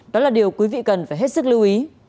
đó là điều quý vị cần phải hết sức lưu ý